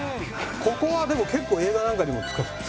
ここはでも結構映画なんかにも使われてる。